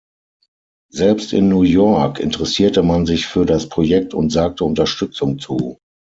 Selbst in New York interessierte man sich für das Projekt und sagte Unterstützung zu.